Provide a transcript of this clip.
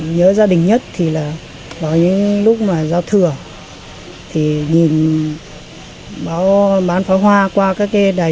nhớ nhất là lúc đấy